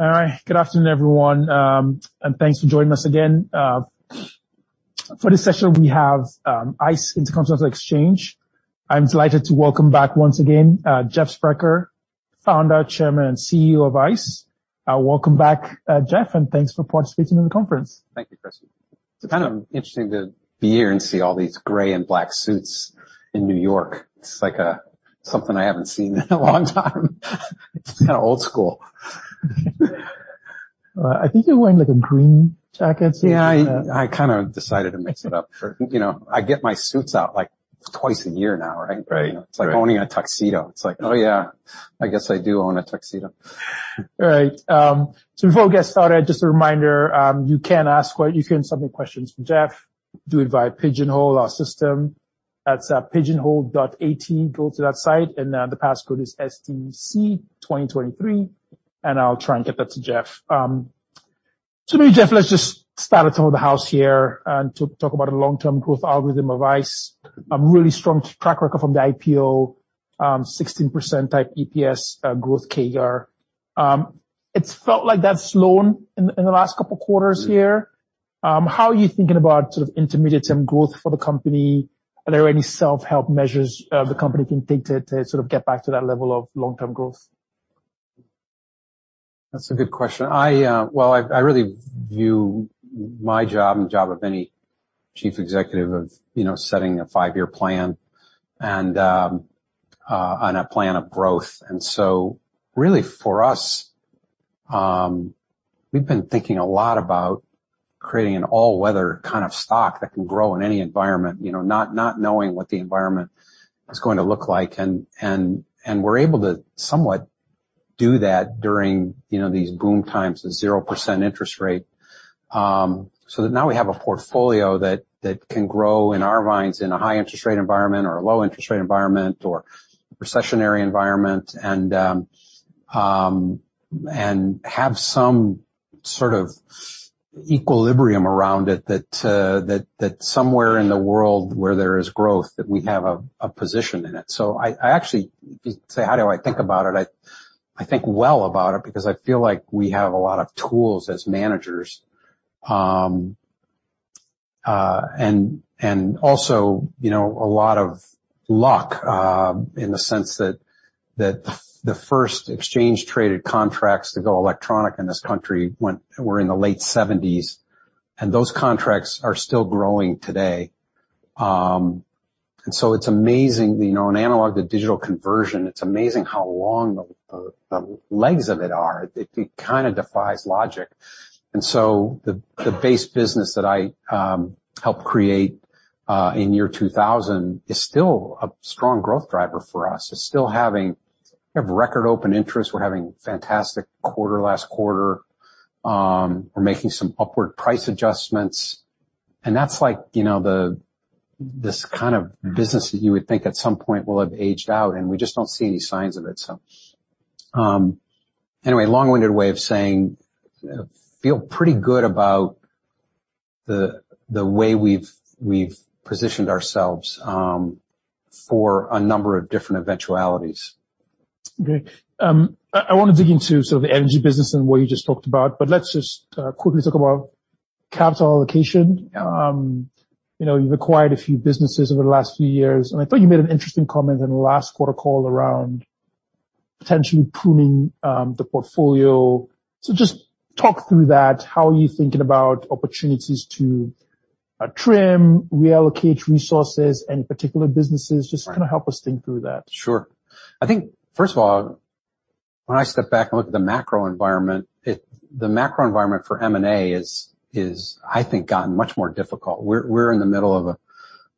All right. Good afternoon, everyone. Thanks for joining us again. For this session, we have ICE, Intercontinental Exchange. I'm delighted to welcome back once again, Jeff Sprecher, Founder, Chairman, and CEO of ICE. Welcome back, Jeff, and thanks for participating in the conference. Thank you, Chris. It's kind of interesting to be here and see all these gray and black suits in New York. It's like something I haven't seen in a long time. It's kind of old school. I think you're wearing, like, a green jacket suit. Yeah, I kind of decided to mix it up. Sure. You know, I get my suits out, like, twice a year now, right? Right. It's like owning a tuxedo. It's like: Oh, yeah, I guess I do own a tuxedo. Before we get started, just a reminder, you can submit questions from Jeff, do it via Pigeonhole, our system. That's pigeonhole.at. Go to that site, the passcode is SDC2023, I'll try and get that to Jeff. Maybe, Jeff, let's just start at home of the house here and to talk about the long-term growth algorithm of ICE. A really strong track record from the IPO, 16% type EPS growth CAGR. It's felt like that's slowed in the last couple of quarters here. Mm. How are you thinking about sort of intermediate-term growth for the company? Are there any self-help measures the company can take to sort of get back to that level of long-term growth? That's a good question. I really view my job and the job of any chief executive of, you know, setting a five-year plan and on a plan of growth. Really, for us, we've been thinking a lot about creating an all-weather kind of stock that can grow in any environment, you know, not knowing what the environment is going to look like. And we're able to somewhat do that during, you know, these boom times, the 0% interest rate. So that now we have a portfolio that can grow in our minds in a high interest rate environment or a low interest rate environment or recessionary environment and have some sort of equilibrium around it that somewhere in the world where there is growth, that we have a position in it. I actually say: How do I think about it? I think well about it because I feel like we have a lot of tools as managers. Also, you know, a lot of luck in the sense that the first exchange traded contracts to go electronic in this country were in the late seventies, and those contracts are still growing today. It's amazing, you know, an analog to digital conversion. It's amazing how long the legs of it are. It kind of defies logic. The base business that I helped create in year 2000 is still a strong growth driver for us. It's still having. We have record open interest. We're having fantastic quarter last quarter. We're making some upward price adjustments, and that's like, you know, this kind of business that you would think at some point will have aged out, and we just don't see any signs of it. Anyway, long-winded way of saying, feel pretty good about the way we've positioned ourselves for a number of different eventualities. Great. I want to dig into sort of the energy business and what you just talked about, but let's just quickly talk about capital allocation. You know, you've acquired a few businesses over the last few years, and I thought you made an interesting comment in the last quarter call around potentially pruning the portfolio. Just talk through that. How are you thinking about opportunities to trim, reallocate resources, any particular businesses? Sure. Just kind of help us think through that. Sure. I think, first of all, when I step back and look at the macro environment, the macro environment for M&A is, I think, gotten much more difficult. We're in the middle of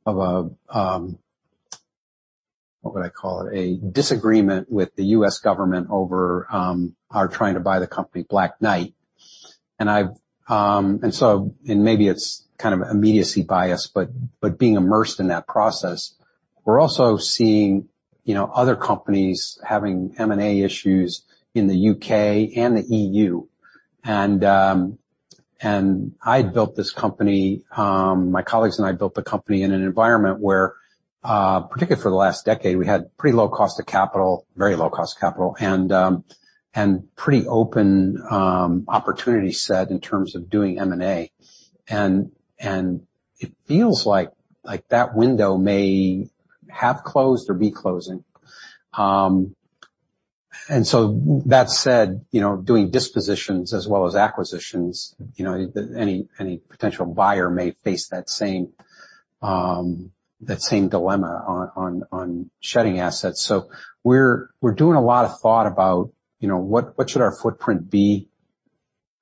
a, what would I call it? A disagreement with the U.S. government over our trying to buy the company, Black Knight. I've. Maybe it's kind of immediacy bias, but being immersed in that process, we're also seeing, you know, other companies having M&A issues in the U.K. and the EU. I built this company, my colleagues and I built the company in an environment where, particularly for the last decade, we had pretty low cost of capital, very low cost of capital, and pretty open opportunity set in terms of doing M&A. It feels like that window may have closed or be closing. That said, you know, doing dispositions as well as acquisitions, you know, any potential buyer may face that same dilemma on shedding assets. We're doing a lot of thought about, you know, what should our footprint be?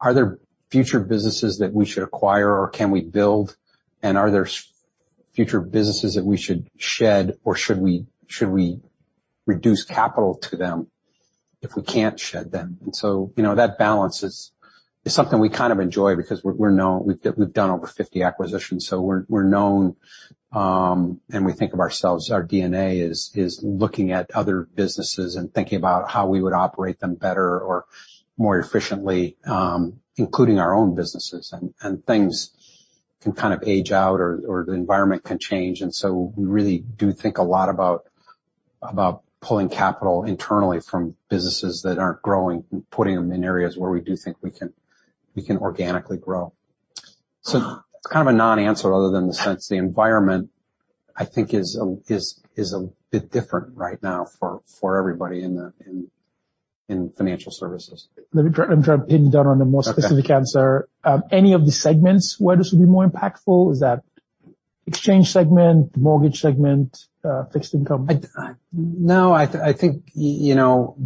Are there future businesses that we should acquire, or can we build, and are there future businesses that we should shed, or should we reduce capital to them if we can't shed them? You know, that balance is something we kind of enjoy because we're known. We've done over 50 acquisitions, so we're known, and we think of ourselves, our DNA is looking at other businesses and thinking about how we would operate them better or more efficiently, including our own businesses. Things can kind of age out or the environment can change, we really do think a lot about pulling capital internally from businesses that aren't growing and putting them in areas where we do think we can organically grow. It's kind of a non-answer other than the sense the environment, I think, is a bit different right now for everybody in the financial services. Let me try. I'm trying to pin you down on a more- Okay Specific answer. Any of the segments where this would be more impactful? Is that exchange segment, mortgage segment, fixed income? No, I think, you know,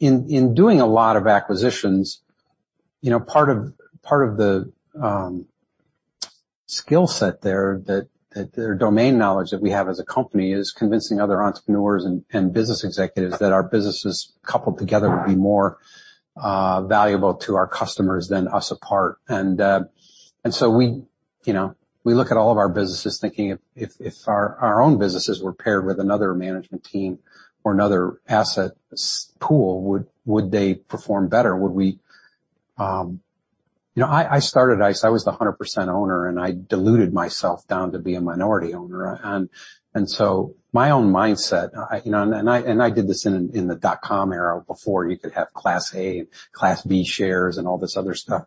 in doing a lot of acquisitions, you know, part of the skill set there, that domain knowledge that we have as a company is convincing other entrepreneurs and business executives that our businesses, coupled together, would be more valuable to our customers than us apart. we, you know, we look at all of our businesses thinking if our own businesses were paired with another management team or another asset pool, would they perform better? Would we? You know, I started ICE. I was the 100% owner, and I diluted myself down to be a minority owner. So my own mindset, I, you know, and I did this in the dot-com era before you could have Class A and Class B shares and all this other stuff.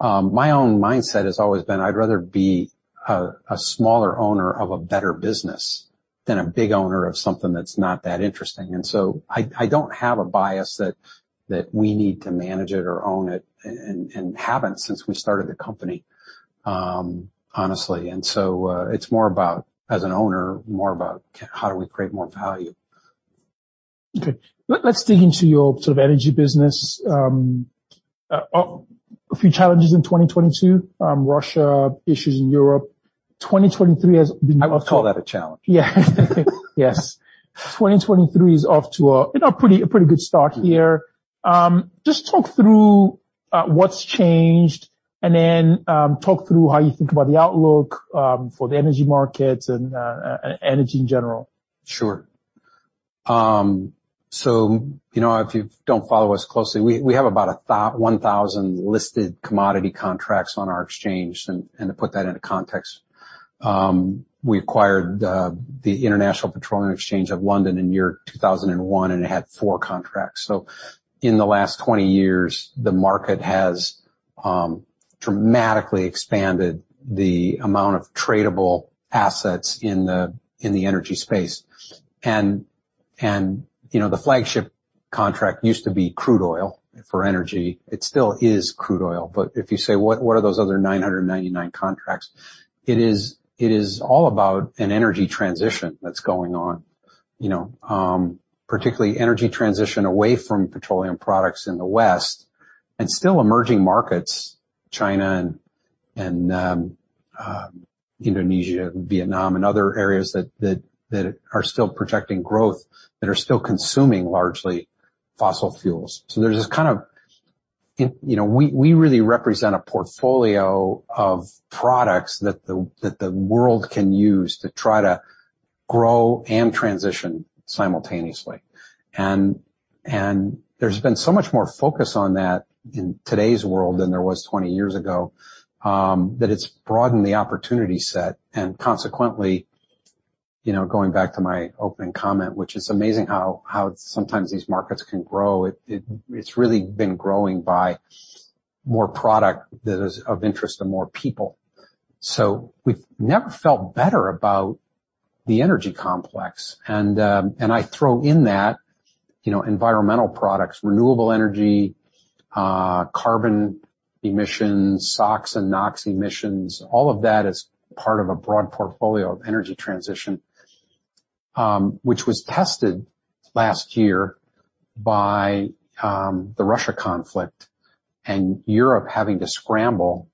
My own mindset has always been I'd rather be a smaller owner of a better business than a big owner of something that's not that interesting. So I don't have a bias that we need to manage it or own it, and haven't since we started the company, honestly. So it's more about, as an owner, more about how do we create more value? Okay. Let's dig into your sort of energy business. A few challenges in 2022, Russia, issues in Europe. 2023 has been. I would call that a challenge. Yeah. Yes. 2023 is off to a, you know, a pretty good start here. Just talk through what's changed, then talk through how you think about the outlook for the energy markets and energy in general. Sure. You know, if you don't follow us closely, we have about 1,000 listed commodity contracts on our exchange. To put that into context, we acquired the International Petroleum Exchange of London in 2001, and it had four contracts. In the last 20 years, the market has dramatically expanded the amount of tradable assets in the energy space. You know, the flagship contract used to be crude oil for energy. It still is crude oil. If you say, "What are those other 999 contracts?" It is all about an energy transition that's going on, you know, particularly energy transition away from petroleum products in the West and still emerging markets, China and Indonesia and Vietnam and other areas that are still projecting growth, that are still consuming largely fossil fuels. There's this kind of. You know, we really represent a portfolio of products that the world can use to try to grow and transition simultaneously. There's been so much more focus on that in today's world than there was 20 years ago that it's broadened the opportunity set. Consequently, you know, going back to my opening comment, which is amazing how sometimes these markets can grow. It's really been growing by more product that is of interest to more people. We've never felt better about the energy complex. I throw in that, you know, environmental products, renewable energy, carbon emissions, SOx and NOx emissions, all of that is part of a broad portfolio of energy transition. Which was tested last year by the Russia conflict and Europe having to scramble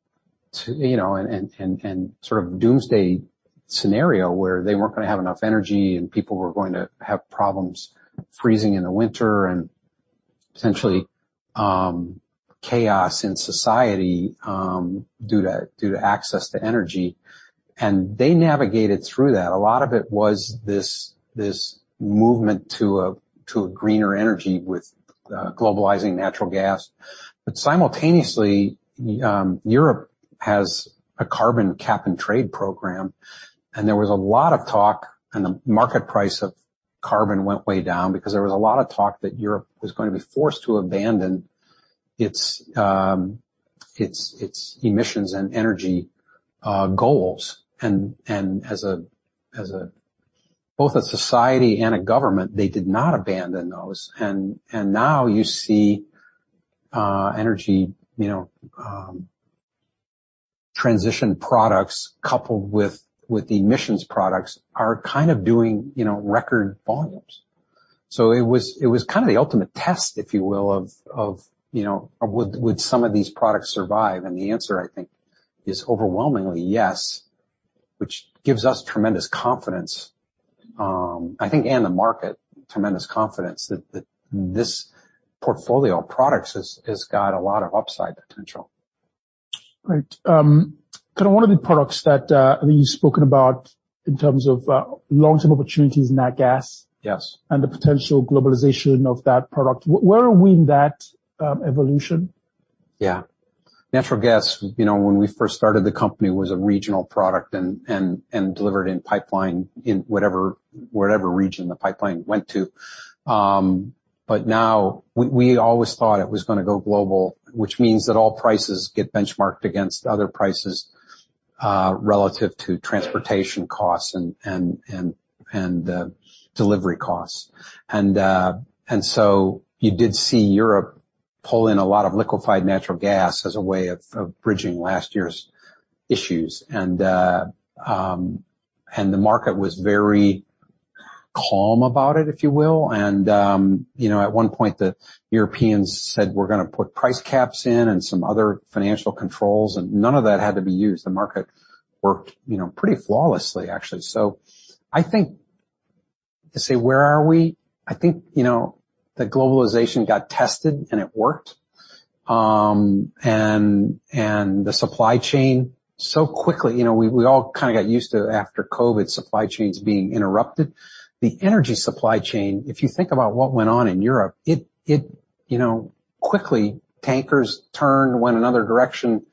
to, you know, and sort of doomsday scenario, where they weren't gonna have enough energy, and people were going to have problems freezing in the winter and essentially, chaos in society, due to access to energy. They navigated through that. A lot of it was this movement to a greener energy with globalizing natural gas. Simultaneously, Europe has a carbon cap and trade program, and there was a lot of talk, and the market price of carbon went way down because there was a lot of talk that Europe was going to be forced to abandon its emissions and energy goals. Both a society and a government, they did not abandon those. Now you see, energy, you know, transition products coupled with the emissions products are kind of doing, you know, record volumes. It was kind of the ultimate test, if you will, of, you know, would some of these products survive? The answer, I think, is overwhelmingly yes, which gives us tremendous confidence, I think, and the market, tremendous confidence that this portfolio of products has got a lot of upside potential. Right. kind of one of the products that, I think you've spoken about in terms of, long-term opportunities, nat gas- Yes. The potential globalization of that product. Where are we in that evolution? Yeah. Natural gas, you know, when we first started, the company was a regional product and delivered in pipeline in whatever region the pipeline went to. But now we always thought it was gonna go global, which means that all prices get benchmarked against other prices, relative to transportation costs and delivery costs. The market was very calm about it, if you will. You know, at one point, the Europeans said, "We're gonna put price caps in and some other financial controls," and none of that had to be used. The market worked, you know, pretty flawlessly, actually. I think to say, where are we? I think, you know, the globalization got tested, and it worked. The supply chain so quickly. You know, we all kinda got used to, after COVID, supply chains being interrupted. The energy supply chain, if you think about what went on in Europe, it, you know, quickly, tankers turned, went another direction,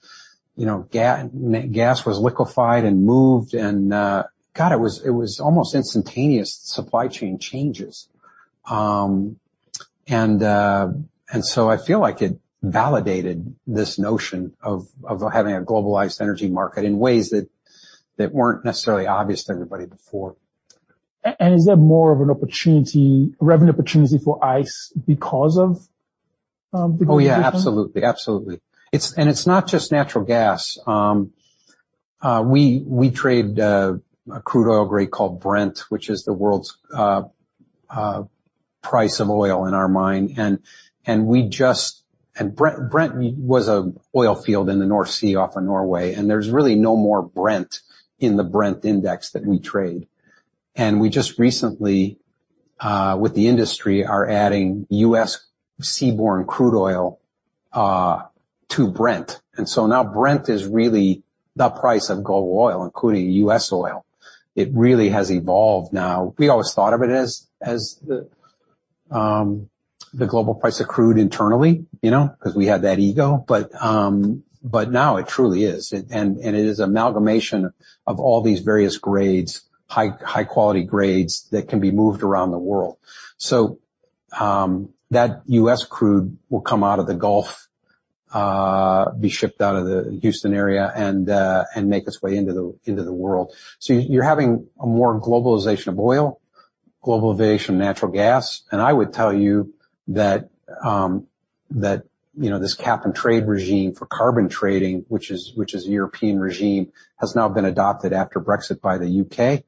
you know, gas was liquefied and moved, and God, it was almost instantaneous supply chain changes. I feel like it validated this notion of having a globalized energy market in ways that weren't necessarily obvious to everybody before. Is that more of an opportunity, revenue opportunity for ICE? Yeah, absolutely. Absolutely. It's not just natural gas. We trade a crude oil grade called Brent, which is the world's price of oil in our mind. Brent was a oil field in the North Sea off of Norway, and there's really no more Brent in the Brent index that we trade. We just recently, with the industry, are adding U.S seaborne crude oil to Brent. Now Brent is really the price of global oil, including U.S. oil. It really has evolved now. We always thought of it as the global price of crude internally, you know, 'cause we had that ego. But now it truly is. It is amalgamation of all these various grades, high-quality grades, that can be moved around the world. That U.S. crude will come out of the Gulf, be shipped out of the Houston area and make its way into the world. You're having a more globalization of oil, globalization of natural gas. I would tell you that, you know, this cap and trade regime for carbon trading, which is a European regime, has now been adopted after Brexit by the U.K.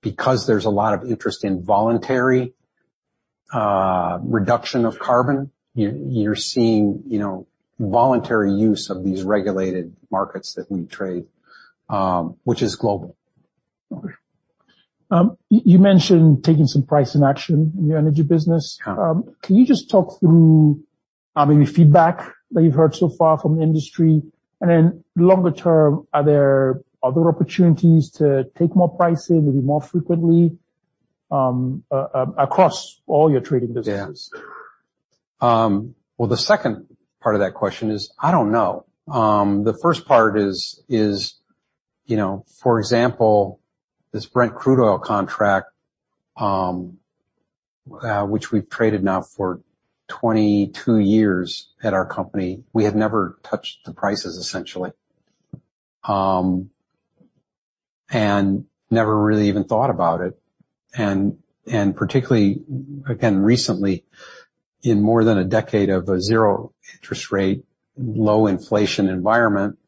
Because there's a lot of interest in voluntary reduction of carbon, you're seeing, you know, voluntary use of these regulated markets that we trade, which is global. Okay. You mentioned taking some price in action in your energy business. Yeah. Can you just talk through, maybe feedback that you've heard so far from the industry? Longer term, are there other opportunities to take more pricing, maybe more frequently, across all your trading businesses? Yeah. Well, the second part of that question is, I don't know. The first part is, you know, for example, this Brent crude oil contract, which we've traded now for 22 years at our company, we have never touched the prices, essentially. Never really even thought about it. Particularly, again, recently, in more than a decade of a zero interest rate, low inflation environment,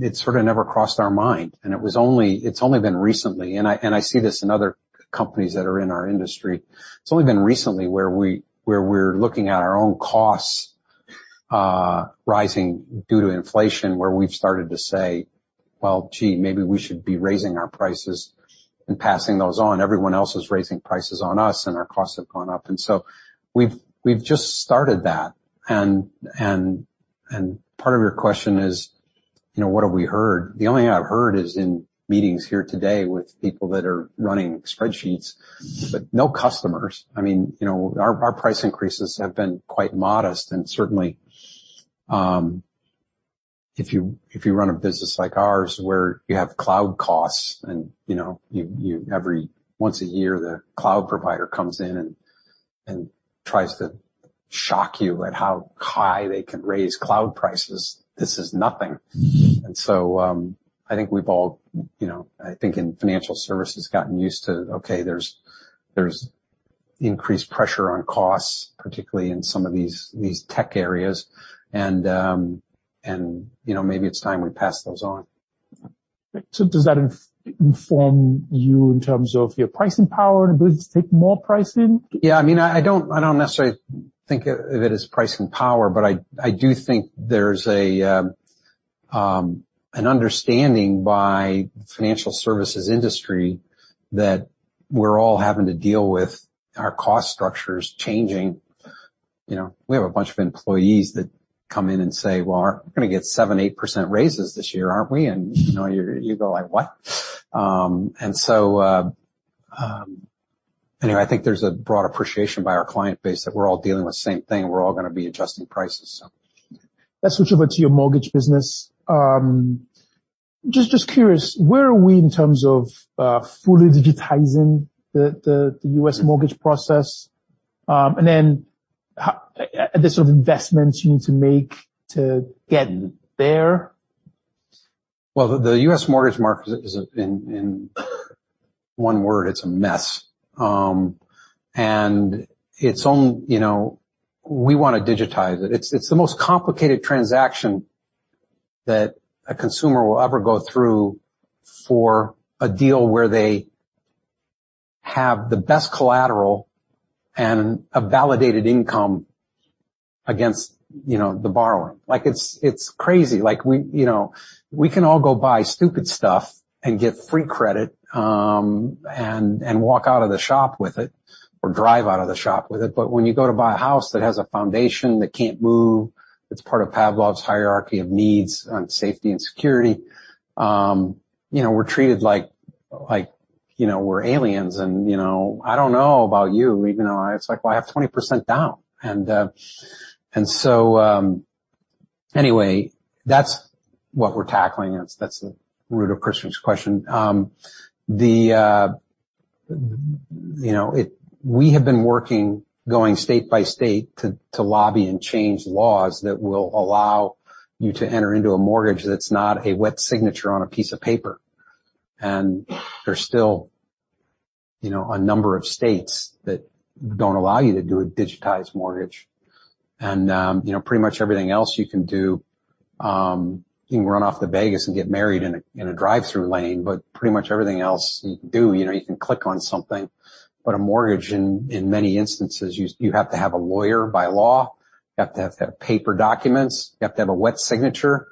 it sort of never crossed our mind, and it's only been recently, and I see this in other companies that are in our industry. It's only been recently where we're looking at our own costs rising due to inflation, where we've started to say, "Well, gee, maybe we should be raising our prices and passing those on. Everyone else is raising prices on us, and our costs have gone up." We've just started that. Part of your question is, you know, what have we heard? The only I've heard is in meetings here today with people that are running spreadsheets, but no customers. I mean, you know, our price increases have been quite modest. Certainly, if you run a business like ours, where you have cloud costs and, you know, every once a year, the cloud provider comes in and tries to shock you at how high they can raise cloud prices, this is nothing. Mm-hmm. I think we've all, you know, I think in financial services, gotten used to, okay, there's increased pressure on costs, particularly in some of these tech areas, and, you know, maybe it's time we pass those on. Does that inform you in terms of your pricing power and ability to take more pricing? Yeah, I mean, I don't necessarily think of it as pricing power, but I do think there's an understanding by the financial services industry that we're all having to deal with our cost structures changing. You know, we have a bunch of employees that come in and say, "Well, we're gonna get 7%, 8% raises this year, aren't we?" You know, you go like, "What?" Anyway, I think there's a broad appreciation by our client base that we're all dealing with the same thing, and we're all gonna be adjusting prices, so. Let's switch over to your mortgage business. Just curious, where are we in terms of fully digitizing the U.S. mortgage process? Then how the sort of investments you need to make to get there? The U.S mortgage market is in one word, it's a mess. You know, we wanna digitize it. It's the most complicated transaction that a consumer will ever go through for a deal where they have the best collateral and a validated income against, you know, the borrower. Like, it's crazy. Like, we, you know, we can all go buy stupid stuff and get free credit, and walk out of the shop with it or drive out of the shop with it. When you go to buy a house that has a foundation that can't move, it's part of Maslow's hierarchy of needs on safety and security, you know, we're treated like, you know, we're aliens and, you know I don't know about you, even though it's like, well, I have 20% down. Anyway, that's what we're tackling, and that's the root of Christian's question. You know, we have been working, going state by state, to lobby and change laws that will allow you to enter into a mortgage that's not a wet signature on a piece of paper. There's still, you know, a number of states that don't allow you to do a digitized mortgage. You know, pretty much everything else you can do, you can run off to Vegas and get married in a, in a drive-through lane, but pretty much everything else you can do, you know, you can click on something. A mortgage, in many instances, you have to have a lawyer by law. You have to have paper documents. You have to have a wet signature.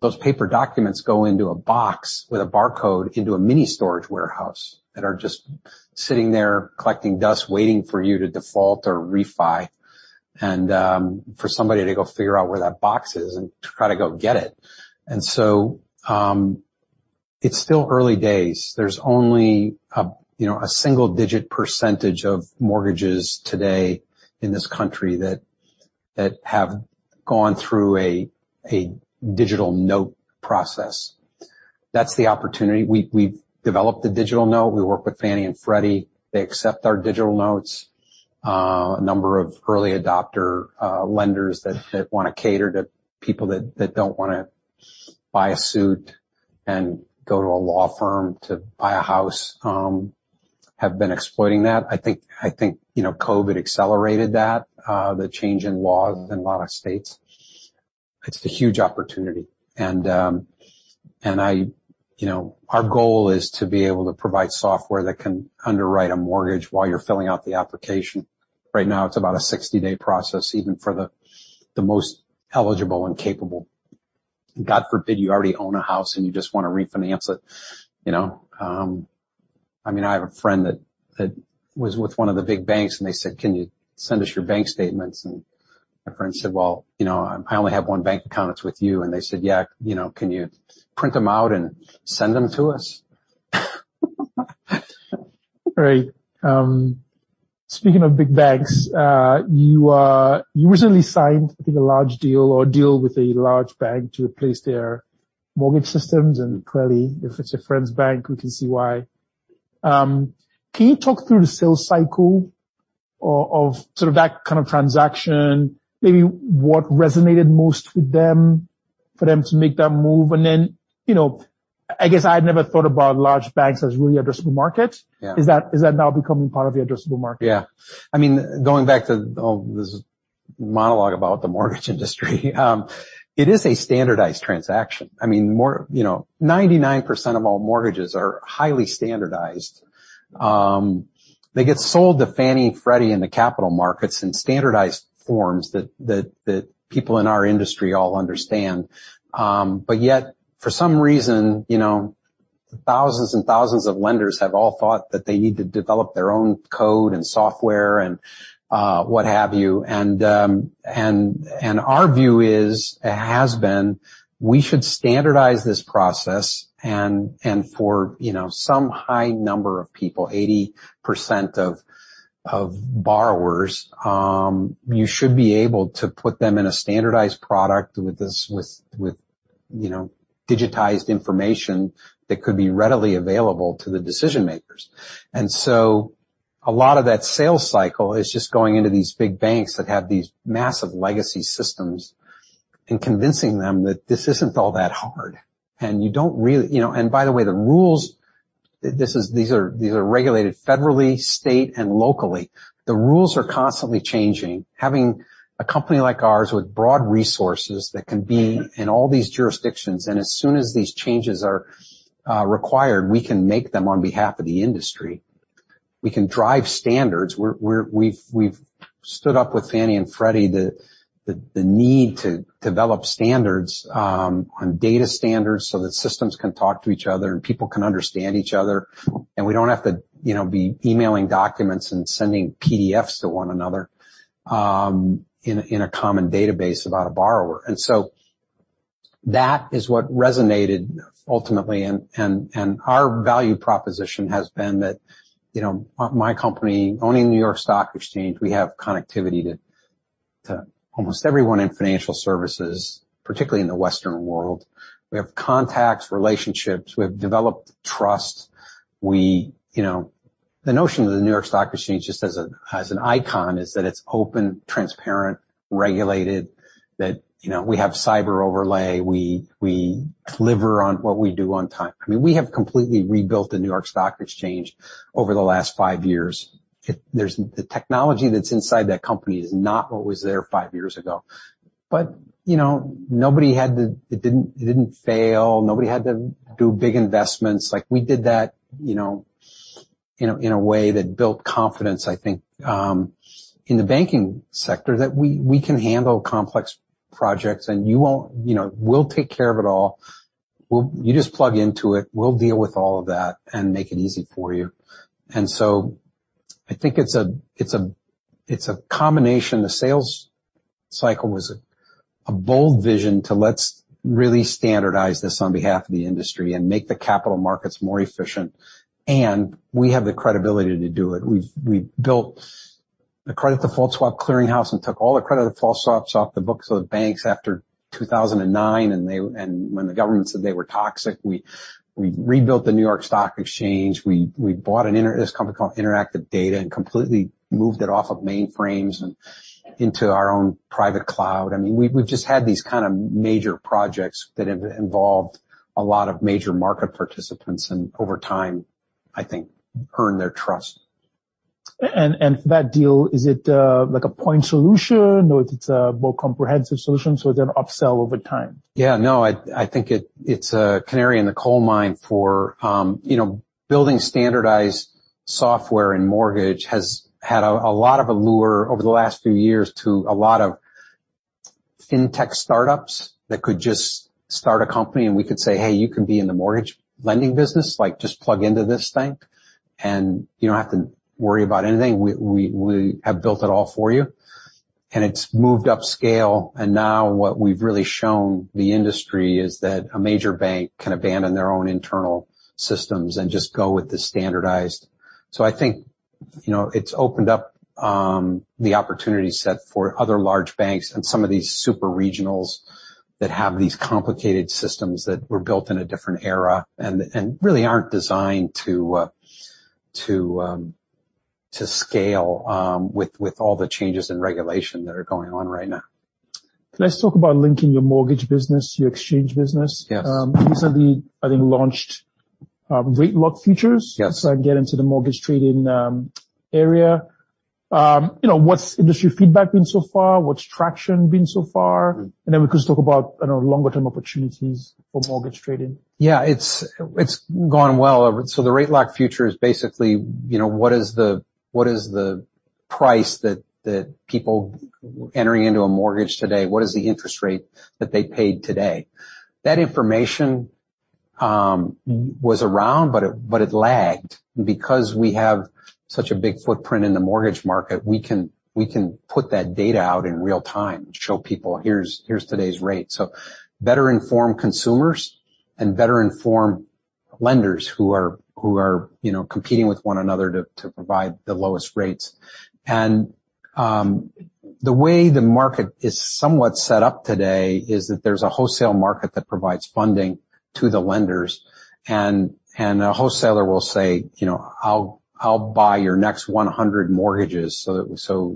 Those paper documents go into a box with a barcode into a mini storage warehouse, and are just sitting there collecting dust, waiting for you to default or refi, for somebody to go figure out where that box is and try to go get it. It's still early days. There's only a, you know, a single-digit percentage of mortgages today in this country that have gone through a digital note process. That's the opportunity. We've developed the digital note. We work with Fannie and Freddie. They accept our digital notes. A number of early adopter lenders that wanna cater to people that don't wanna buy a suit and go to a law firm to buy a house have been exploiting that. I think, you know, COVID accelerated that the change in laws in a lot of states. It's a huge opportunity. You know, our goal is to be able to provide software that can underwrite a mortgage while you're filling out the application. Right now, it's about a 60-day process, even for the most eligible and capable. God forbid, you already own a house, and you just wanna refinance it, you know? I mean, I have a friend that was with one of the big banks. They said, "Can you send us your bank statements?" My friend said, "Well, you know, I only have one bank account, it's with you." They said, "Yeah, you know, can you print them out and send them to us? Right. Speaking of big banks, you recently signed, I think, a large deal or deal with a large bank to replace their mortgage systems, clearly, if it's a friend's bank, we can see why. Can you talk through the sales cycle of sort of that kind of transaction, maybe what resonated most with them for them to make that move? Then, you know, I guess I'd never thought about large banks as really addressable markets. Yeah. Is that now becoming part of the addressable market? I mean, going back to this monologue about the mortgage industry, it is a standardized transaction. I mean, you know, 99% of all mortgages are highly standardized. They get sold to Fannie and Freddie in the capital markets in standardized forms that people in our industry all understand. Yet, for some reason, you know, thousands of lenders have all thought that they need to develop their own code and software and what have you. Our view is, and has been, we should standardize this process, and for, you know, some high number of people, 80% of borrowers, you should be able to put them in a standardized product with this, you know, digitized information that could be readily available to the decision-makers. A lot of that sales cycle is just going into these big banks that have these massive legacy systems and convincing them that this isn't all that hard, and you don't really. You know, by the way, the rules, these are regulated federally, state, and locally. The rules are constantly changing. Having a company like ours with broad resources that can be in all these jurisdictions, and as soon as these changes are required, we can make them on behalf of the industry. We can drive standards. We've stood up with Fannie and Freddie, the need to develop standards on data standards so that systems can talk to each other and people can understand each other. We don't have to, you know, be emailing documents and sending PDFs to one another, in a, in a common database about a borrower. That is what resonated ultimately, and, and our value proposition has been that, you know, my company owning the New York Stock Exchange, we have connectivity to almost everyone in financial services, particularly in the Western world. We have contacts, relationships. We have developed trust. You know, the notion of the New York Stock Exchange, just as a, as an icon, is that it's open, transparent, regulated, that, you know, we have cyber overlay. We deliver on what we do on time. I mean, we have completely rebuilt the New York Stock Exchange over the last five years. There's... The technology that's inside that company is not what was there five years ago, but, you know, nobody had to. It didn't fail. Nobody had to do big investments. Like, we did that, you know, in a, in a way that built confidence, I think, in the banking sector, that we can handle complex projects, and you won't, you know, we'll take care of it all. You just plug into it. We'll deal with all of that and make it easy for you. I think it's a, it's a, it's a combination. The sales cycle was a bold vision to let's really standardize this on behalf of the industry and make the capital markets more efficient, and we have the credibility to do it. We built the credit default swap clearinghouse and took all the credit default swaps off the books of the banks after 2009. When the government said they were toxic, we rebuilt the New York Stock Exchange. We bought this company called Interactive Data, and completely moved it off of mainframes and into our own private cloud. I mean, we've just had these kind of major projects that have involved a lot of major market participants, and over time, I think, earned their trust. That deal, is it like a point solution, or it's a more comprehensive solution, so it's an upsell over time? Yeah, no, I think it's a canary in the coal mine for, you know, building standardized software and mortgage has had a lot of allure over the last few years to a lot of fintech startups that could just start a company, and we could say, "Hey, you can be in the mortgage lending business. Like, just plug into this thing, and you don't have to worry about anything. We have built it all for you." It's moved upscale, and now what we've really shown the industry is that a major bank can abandon their own internal systems and just go with the standardized. I think, you know, it's opened up the opportunity set for other large banks and some of these super regionals that have these complicated systems that were built in a different era and really aren't designed to scale with all the changes in regulation that are going on right now. Let's talk about linking your mortgage business, your exchange business. Yes. Recently, I think, launched, rate lock features. Yes. I can get into the mortgage trading area. You know, what's industry feedback been so far? What's traction been so far? Mm. We could talk about, I know, longer-term opportunities for mortgage trading. Yeah, it's gone well. The rate lock feature is basically, you know, what is the price that people entering into a mortgage today? What is the interest rate that they paid today? That information was around, but it lagged. We have such a big footprint in the mortgage market, we can put that data out in real time and show people: Here's today's rate. Better-informed consumers and better-informed lenders who are, you know, competing with one another to provide the lowest rates. The way the market is somewhat set up today is that there's a wholesale market that provides funding to the lenders, and a wholesaler will say, "You know, I'll buy your next 100 mortgages."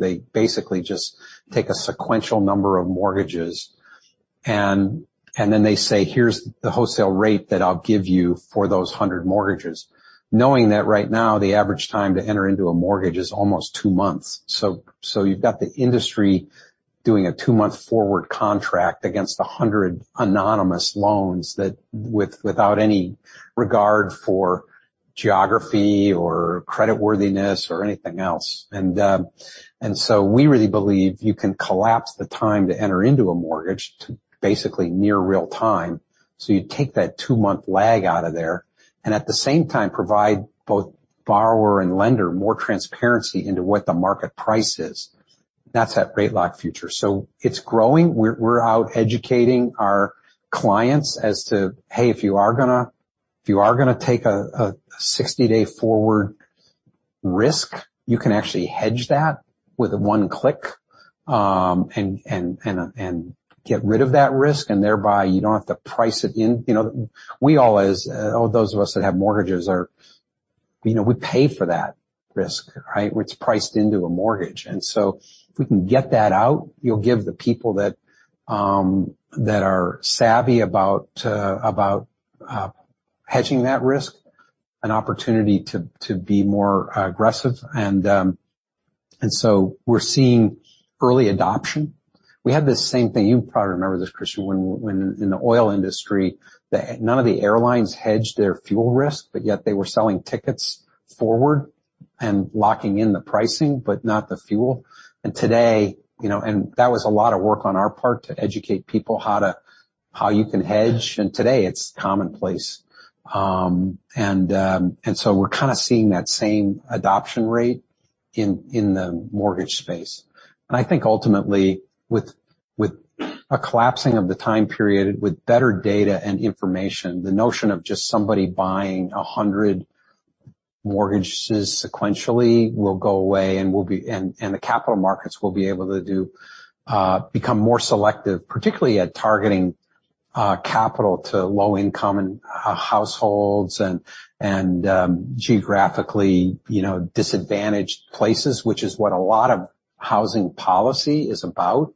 They basically just take a sequential number of mortgages, and then they say, "Here's the wholesale rate that I'll give you for those 100 mortgages." Knowing that right now, the average time to enter into a mortgage is almost two months. You've got the industry doing a two-month forward contract against 100 anonymous loans that, without any regard for geography or creditworthiness or anything else. We really believe you can collapse the time to enter into a mortgage to basically near real time. You take that two-month lag out of there, and at the same time, provide both borrower and lender more transparency into what the market price is. That's that rate lock feature. It's growing. We're out educating our clients as to, "Hey, if you are gonna. If you are gonna take a 60-day forward risk, you can actually hedge that with one click, and get rid of that risk, and thereby you don't have to price it in. You know, we all as all those of us that have mortgages are. You know, we pay for that risk, right? It's priced into a mortgage. If we can get that out, you'll give the people that are savvy about hedging that risk, an opportunity to be more aggressive. We're seeing early adoption. We had this same thing. You probably remember this, Christian, when in the oil industry, none of the airlines hedged their fuel risk, but yet they were selling tickets forward and locking in the pricing, but not the fuel. Today, you know. That was a lot of work on our part to educate people how to, how you can hedge, and today it's commonplace. So we're kind of seeing that same adoption rate in the mortgage space. I think ultimately, with a collapsing of the time period, with better data and information, the notion of just somebody buying 100 mortgages sequentially will go away and the capital markets will be able to become more selective, particularly at targeting capital to low-income households and geographically, you know, disadvantaged places, which is what a lot of housing policy is about.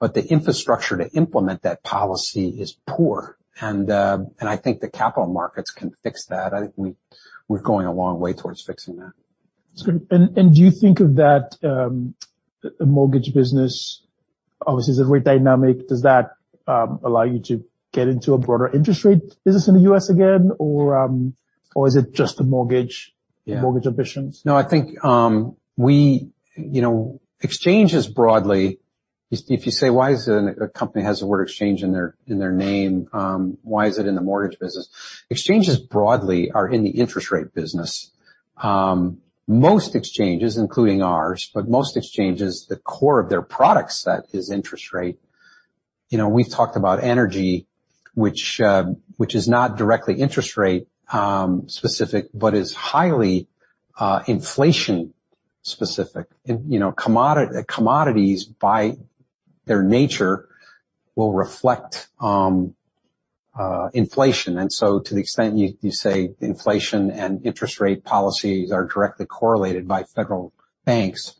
The infrastructure to implement that policy is poor, and I think the capital markets can fix that. I think we're going a long way towards fixing that. That's great. Do you think of that, the mortgage business, obviously, the rate dynamic, does that allow you to get into a broader interest rate business in the U.S. again, or is it just the mortgage-? Yeah. Mortgage ambitions? No, I think, you know, exchanges broadly, if you say, why is it a company has the word exchange in their name, why is it in the mortgage business? Exchanges broadly are in the interest rate business. Most exchanges, including ours, but most exchanges, the core of their product set is interest rate. You know, we've talked about energy, which is not directly interest rate specific, but is highly inflation specific. You know, commodities, by their nature, will reflect inflation. To the extent you say inflation and interest rate policies are directly correlated by federal banks,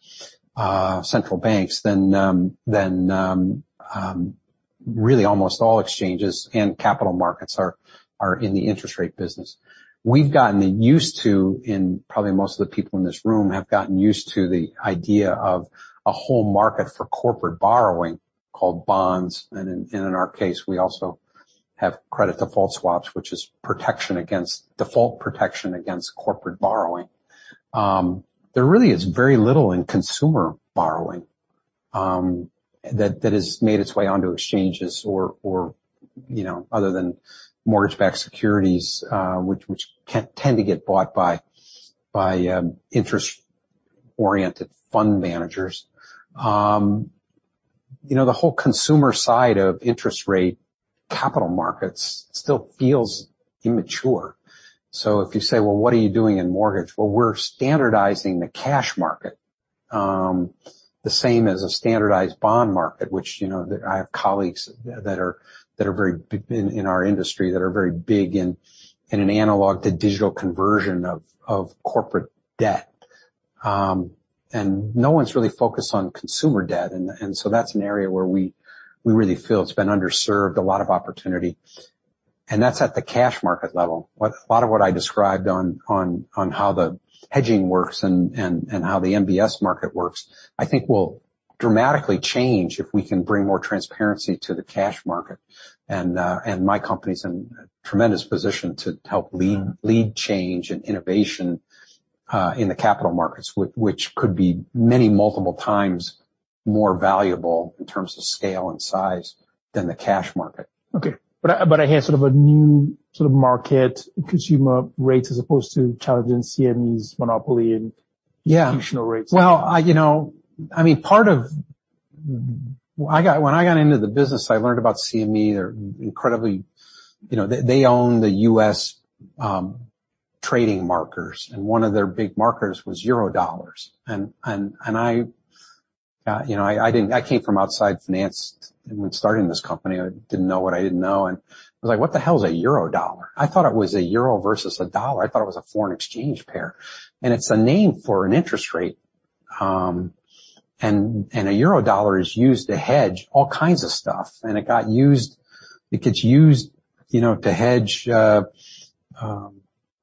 central banks, then really almost all exchanges and capital markets are in the interest rate business. We've gotten used to, and probably most of the people in this room have gotten used to the idea of a whole market for corporate borrowing called bonds. In our case, we also have credit default swaps, which is protection against default protection against corporate borrowing. There really is very little in consumer borrowing that has made its way onto exchanges or, you know, other than mortgage-backed securities, which tend to get bought by interest-oriented fund managers. You know, the whole consumer side of interest rate capital markets still feels immature. If you say, "Well, what are you doing in mortgage?" We're standardizing the cash market, the same as a standardized bond market, which, you know, I have colleagues that are very big in our industry, that are very big in an analog to digital conversion of corporate debt. No one's really focused on consumer debt. That's an area where we really feel it's been underserved, a lot of opportunity, and that's at the cash market level. A lot of what I described on how the hedging works and how the MBS market works, I think will dramatically change if we can bring more transparency to the cash market. My company's in a tremendous position to help lead change and innovation in the capital markets, which could be many multiple times more valuable in terms of scale and size than the cash market. Okay. I hear sort of a new sort of market, consumer rates, as opposed to challenging CME's monopoly and- Yeah. Functional rates. Well, I, you know I mean, when I got into the business, I learned about CME. They're incredibly, you know, they own the U.S. trading markets, and one of their big markets was Eurodollars. I, you know, I came from outside finance when starting this company. I didn't know what I didn't know, and I was like, "What the hell is a eurodollar?" I thought it was a euro versus a dollar. I thought it was a foreign exchange pair. It's a name for an interest rate, and a eurodollar is used to hedge all kinds of stuff. It gets used, you know, to hedge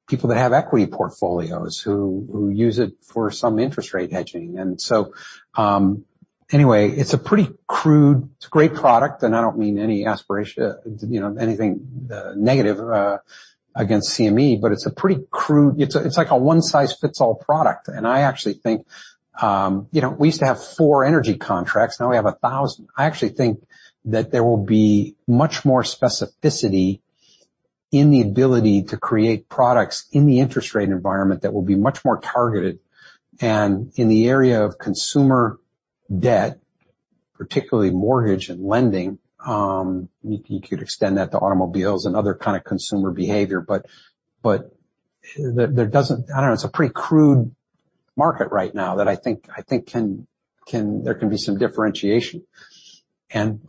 people that have equity portfolios who use it for some interest rate hedging. Anyway, it's a pretty crude. It's a great product, and I don't mean any aspiration, you know, anything negative against CME, but it's a pretty crude. It's like a one-size-fits-all product. I actually think, you know, we used to have four energy contracts, now we have 1,000. I actually think that there will be much more specificity in the ability to create products in the interest rate environment that will be much more targeted. In the area of consumer debt, particularly mortgage and lending, you could extend that to automobiles and other kind of consumer behavior, but there. I don't know. It's a pretty crude market right now that I think can be some differentiation.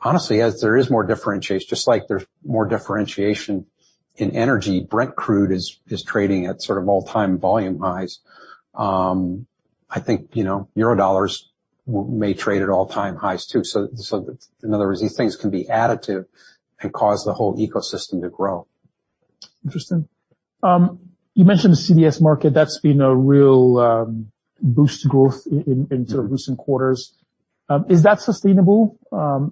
Honestly, as there is more differentiation, just like there's more differentiation in energy, Brent crude is trading at sort of all-time volume highs. I think, you know, eurodollars may trade at all-time highs, too. In other words, these things can be additive and cause the whole ecosystem to grow. Interesting. You mentioned the CDS market. That's been a real boost to growth in sort of recent quarters. Is that sustainable?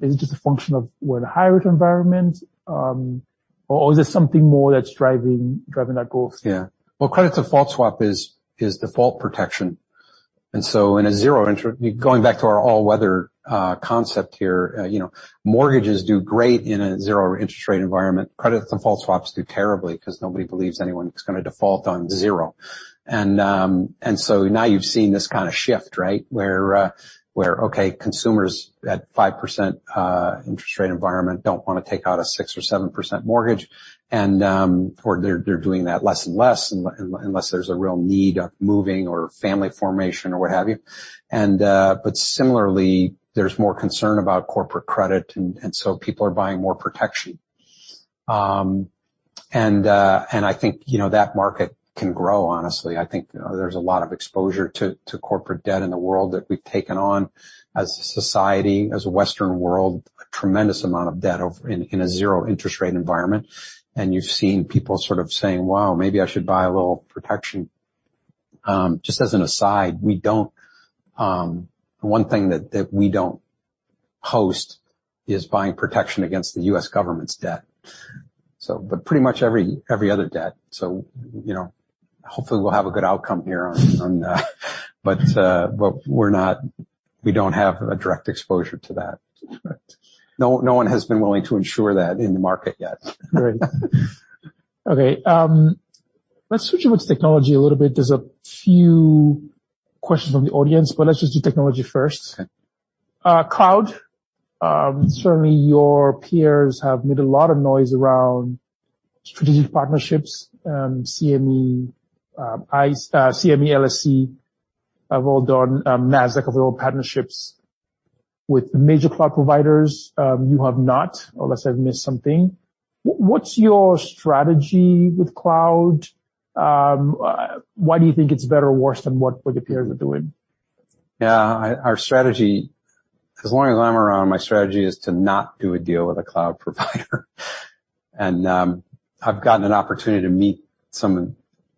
Is it just a function of we're in a higher rate environment, or is there something more that's driving that growth? Yeah. Well, credit default swap is default protection. In a zero interest, going back to our all-weather concept here, you know, mortgages do great in a zero interest rate environment. Credit default swaps do terribly because nobody believes anyone is gonna default on zero. Now you've seen this kind of shift, right? Where, okay, consumers at 5% interest rate environment don't wanna take out a 6% or 7% mortgage. Or they're doing that less and less, unless there's a real need of moving or family formation or what have you. But similarly, there's more concern about corporate credit, and so people are buying more protection. I think, you know, that market can grow, honestly. I think, you know, there's a lot of exposure to corporate debt in the world that we've taken on as a society, as a Western world, a tremendous amount of debt over in a zero interest rate environment. You've seen people sort of saying, "Wow, maybe I should buy a little protection." Just as an aside, we don't. One thing that we don't host is buying protection against the U.S. government's debt, but pretty much every other debt. You know, hopefully, we'll have a good outcome here on. We don't have a direct exposure to that. No one has been willing to insure that in the market yet. Great. Okay, let's switch over to technology a little bit. There's a few questions from the audience, let's just do technology first. Okay. Cloud, certainly your peers have made a lot of noise around strategic partnerships. CME, ICE, CME, LSEG, have all done, Nasdaq, have all partnerships with the major cloud providers. You have not, unless I've missed something. What's your strategy with cloud? Why do you think it's better or worse than what your peers are doing? Yeah, our strategy, as long as I'm around, my strategy is to not do a deal with a cloud provider. I've gotten an opportunity to meet some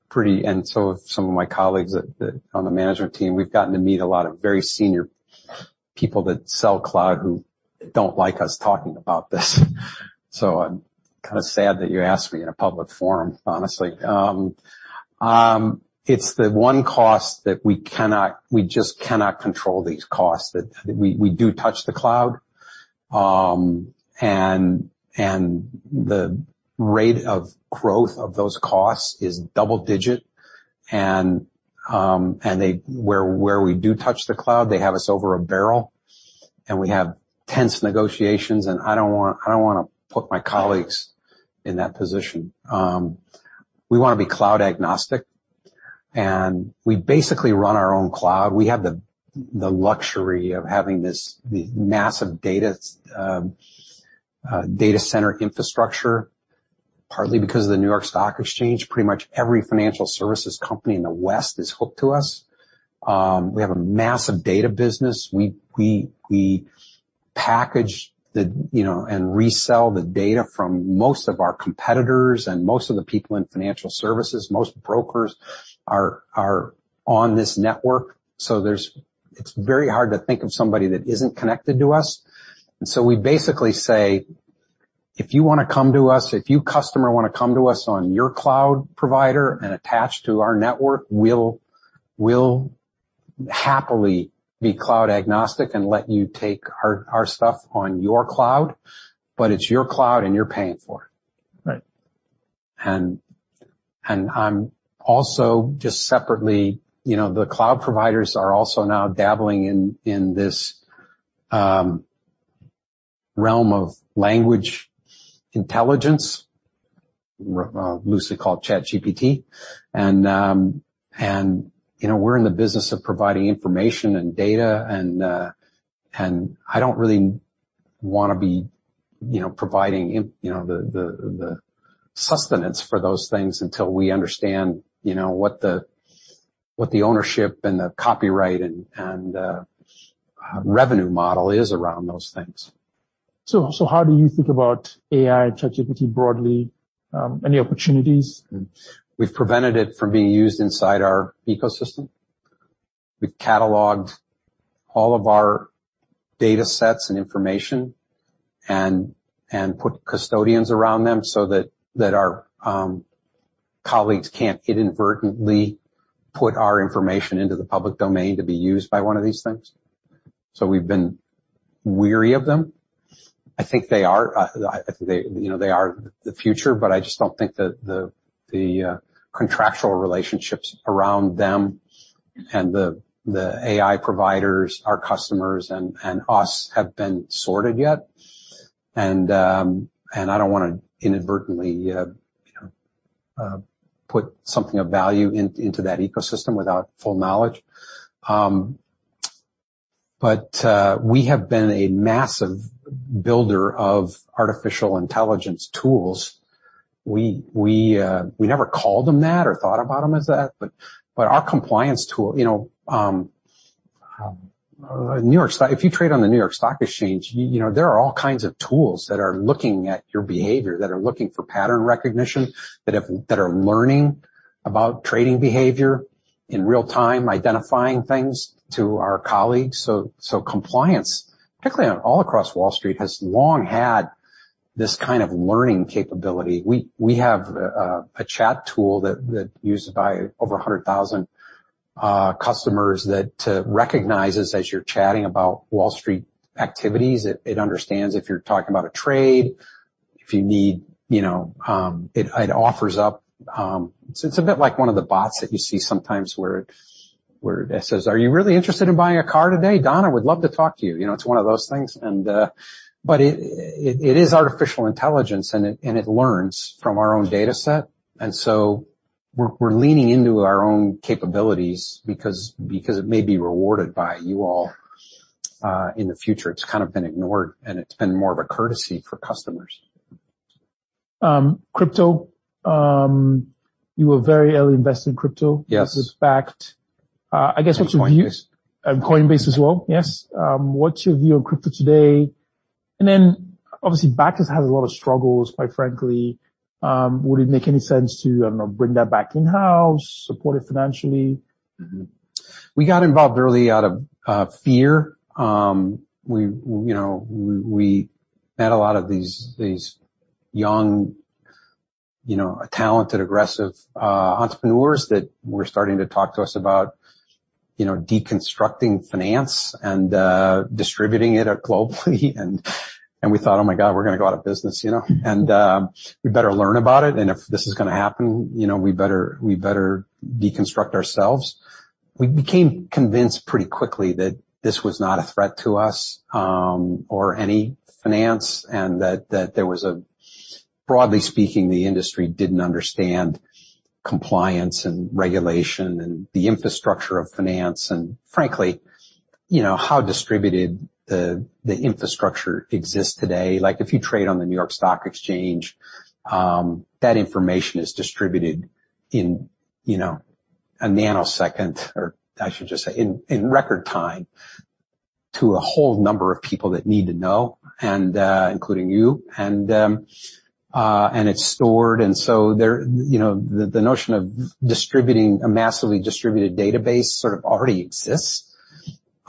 of my colleagues that on the management team, we've gotten to meet a lot of very senior people that sell cloud, who don't like us talking about this. I'm kind of sad that you asked me in a public forum, honestly. It's the one cost that we just cannot control these costs, that we do touch the cloud. The rate of growth of those costs is double-digit. Where we do touch the cloud, they have us over a barrel, and we have tense negotiations, and I don't wanna put my colleagues in that position. We wanna be cloud agnostic. We basically run our own cloud. We have the luxury of having this, the massive data center infrastructure, partly because of the New York Stock Exchange. Pretty much every financial services company in the West is hooked to us. We have a massive data business. We package the, you know, and resell the data from most of our competitors and most of the people in financial services. Most brokers are on this network. It's very hard to think of somebody that isn't connected to us. We basically say: If you wanna come to us, if you customer wanna come to us on your cloud provider and attach to our network, we'll happily be cloud agnostic and let you take our stuff on your cloud, but it's your cloud, and you're paying for it. Right. I'm also, just separately, you know, the cloud providers are also now dabbling in this realm of language intelligence, loosely called ChatGPT. You know, we're in the business of providing information and data, and I don't really wanna be, you know, providing in, you know, the sustenance for those things until we understand, you know, what the ownership and the copyright and revenue model is around those things. How do you think about AI and ChatGPT broadly? Any opportunities? We've prevented it from being used inside our ecosystem. We've cataloged all of our data sets and information and put custodians around them so that our colleagues can't inadvertently put our information into the public domain to be used by one of these things. We've been weary of them. I think they are I, they, you know, they are the future, but I just don't think that the contractual relationships around them and the AI providers, our customers, and us have been sorted yet. I don't wanna inadvertently put something of value into that ecosystem without full knowledge. We have been a massive builder of artificial intelligence tools. We never called them that or thought about them as that, but our compliance tool, you know, If you trade on the New York Stock Exchange, you know, there are all kinds of tools that are looking at your behavior, that are looking for pattern recognition, that are learning about trading behavior in real time, identifying things to our colleagues. Compliance, particularly on all across Wall Street, has long had this kind of learning capability. We have a chat tool that used by over 100,000 customers that recognizes as you're chatting about Wall Street activities. It understands if you're talking about a trade, if you need, you know, it offers up. It's a bit like one of the bots that you see sometimes where it says, "Are you really interested in buying a car today? Donna would love to talk to you." You know, it's one of those things, but it is artificial intelligence, and it learns from our own data set. we're leaning into our own capabilities because it may be rewarded by you all in the future. It's kind of been ignored, and it's been more of a courtesy for customers. Crypto, you were very early invested in crypto- Yes. This is Bakkt, I guess what you use Coinbase. Coinbase as well. Yes. What's your view on crypto today? Obviously, Bakkt has had a lot of struggles, quite frankly. Would it make any sense to, I don't know, bring that back in-house, support it financially? We got involved early out of fear. We, you know, we met a lot of these young, you know, talented, aggressive entrepreneurs that were starting to talk to us about, you know, deconstructing finance and distributing it globally. We thought, "Oh, my God, we're gonna go out of business, you know? We better learn about it, and if this is gonna happen, you know, we better deconstruct ourselves." We became convinced pretty quickly that this was not a threat to us, or any finance, that there was. Broadly speaking, the industry didn't understand compliance and regulation and the infrastructure of finance and frankly, you know, how distributed the infrastructure exists today. Like, if you trade on the New York Stock Exchange, that information is distributed in, you know, a nanosecond, or I should just say in record time, to a whole number of people that need to know, including you. it's stored. You know, the notion of distributing a massively distributed database sort of already exists.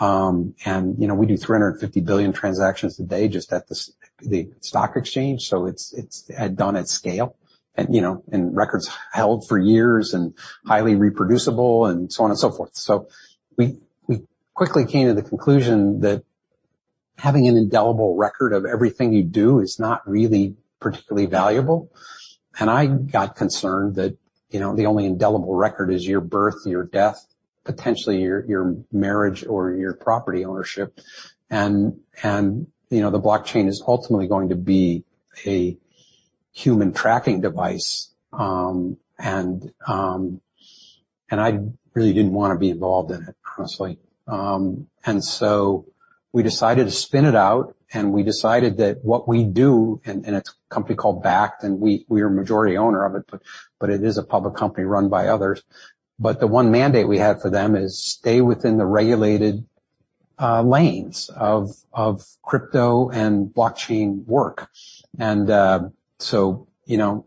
you know, we do 350 billion transactions today just at the stock exchange, so it's done at scale and, you know, and records held for years and highly reproducible and so on and so forth. We quickly came to the conclusion that having an indelible record of everything you do is not really particularly valuable. I got concerned that, you know, the only indelible record is your birth, your death, potentially your marriage or your property ownership. You know, the blockchain is ultimately going to be a human tracking device. I really didn't want to be involved in it, honestly. We decided to spin it out, and we decided that what we do, and it's a company called Bakkt, and we're a majority owner of it, but it is a public company run by others. The one mandate we had for them is stay within the regulated lanes of crypto and blockchain work. So, you know,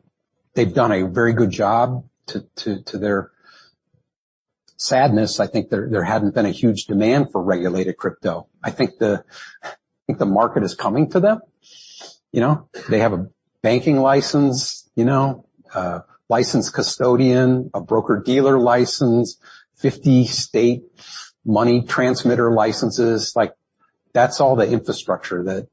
they've done a very good job to their sadness, I think there hadn't been a huge demand for regulated crypto. I think the market is coming to them. You know, they have a banking license, you know, a licensed custodian, a broker-dealer license, 50 state money transmitter licenses. Like, that's all the infrastructure that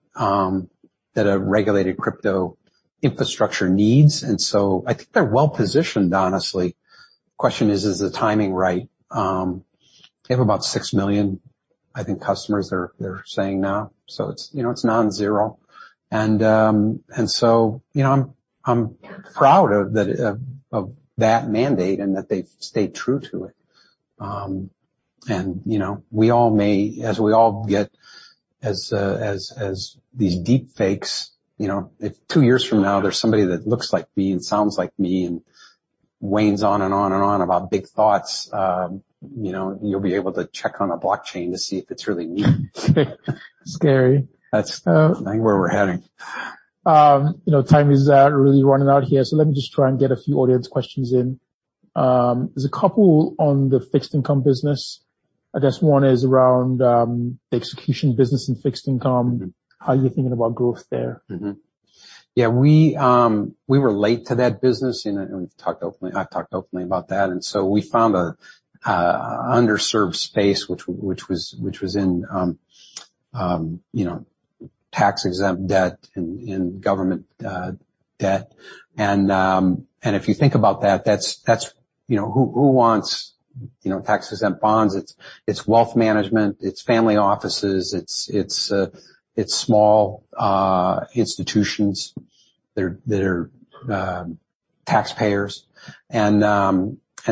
a regulated crypto infrastructure needs, and so I think they're well-positioned, honestly. The question is the timing right? They have about 6 million, I think, customers they're saying now, so it's, you know, it's nonzero. I'm proud of that mandate and that they've stayed true to it we all may. As we all get, as these deepfakes, you know, if two years from now there's somebody that looks like me and sounds like me and wanes on and on and on about big thoughts, you know, you'll be able to check on a blockchain to see if it's really me. Scary. That's, where we're heading. You know, time is really running out here. Let me just try and get a few audience questions in. There's a couple on the fixed income business. I guess one is around the execution business and fixed income. Mm-hmm. How are you thinking about growth there? Yeah, we were late to that business. We've talked openly. I've talked openly about that. So we found a underserved space, which was in, you know, tax-exempt debt and government debt. If you think about that's, you know, Who wants, you know, tax-exempt bonds? It's wealth management, it's family offices, it's small institutions. They're taxpayers.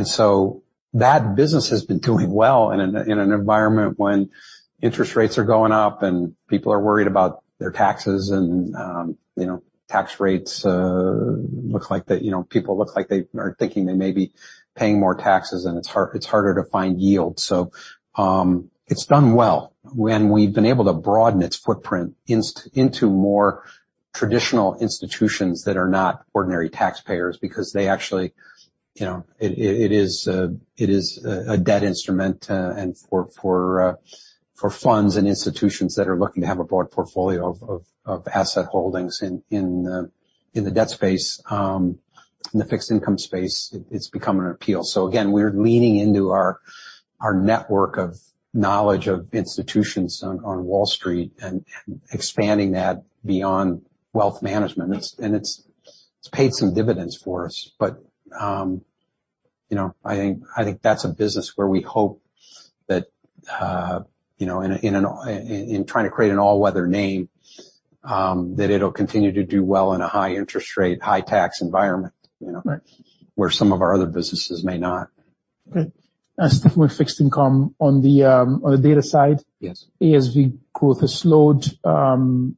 So that business has been doing well in an environment when interest rates are going up, and people are worried about their taxes and, you know, tax rates look like people are thinking they may be paying more taxes, and it's harder to find yield. it's done well when we've been able to broaden its footprint into more traditional institutions that are not ordinary taxpayers because they actually, you know, it is a debt instrument, and for funds and institutions that are looking to have a broad portfolio of asset holdings in the debt space, in the fixed income space, it's become an appeal. again, we're leaning into our network of knowledge of institutions on Wall Street and expanding that beyond wealth management. it's paid some dividends for us. You know, I think that's a business where we hope that, you know, in a, in trying to create an all-weather name, that it'll continue to do well in a high interest rate, high tax environment, you know? Right. Where some of our other businesses may not. Good. As with fixed income on the, on the data side. Yes. ASV growth has slowed from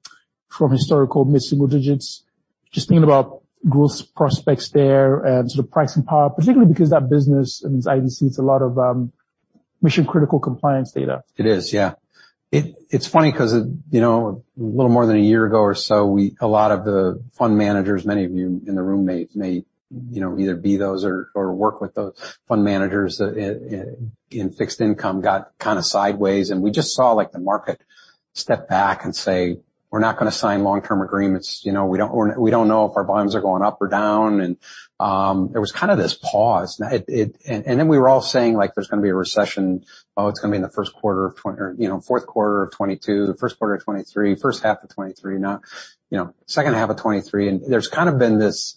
historical mid-single digits. Just thinking about growth prospects there and sort of pricing power, particularly because that business and IDC, it's a lot of mission-critical compliance data. It is, yeah. It's funny 'cause it, you know, a little more than a year ago or so, a lot of the fund managers, many of you in the room may, you know, either be those or work with those fund managers, in fixed income, got kind of sideways, and we just saw, like, the market step back and say, "We're not gonna sign long-term agreements. You know, we don't or we don't know if our volumes are going up or down." There was kind of this pause. Now, it. Then we were all saying, like, "There's gonna be a recession. Oh, it's gonna be in the first quarter of 20. You know, fourth quarter of 2022, the first quarter of 2023, first half of 2023, now, second half of 2023. There's kind of been this,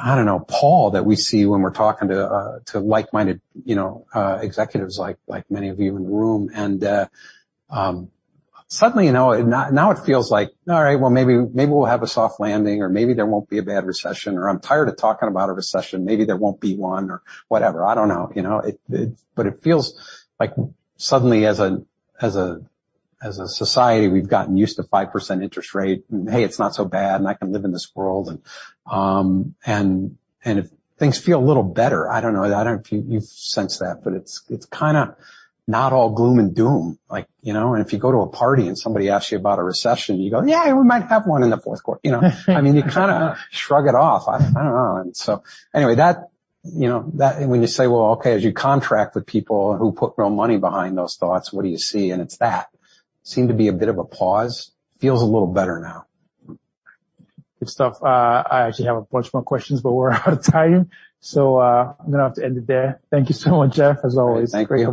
I don't know, pause that we see when we're talking to like-minded, you know, executives, like many of you in the room. Suddenly, you know, now it feels like, all right, well, maybe we'll have a soft landing, or maybe there won't be a bad recession, or I'm tired of talking about a recession. Maybe there won't be one or whatever. I don't know, you know? It feels like suddenly as a society, we've gotten used to 5% interest rate, and, hey, it's not so bad, and I can live in this world. If things feel a little better, I don't know. I don't know if you've sensed that, but it's kinda not all gloom and doom. Like, you know, if you go to a party and somebody asks you about a recession, you go, "Yeah, we might have one in the fourth quarter," you know? I mean, you kinda shrug it off. I don't know. Anyway, that, you know, that when you say: Well, okay, as you contract with people who put real money behind those thoughts, what do you see? It's that. Seemed to be a bit of a pause. Feels a little better now. Good stuff. I actually have a bunch more questions, but we're out of time so, I'm gonna have to end it there. Thank you so much, Jeff, as always. Thank you.